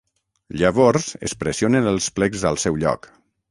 Llavors es pressionen els plecs al seu lloc.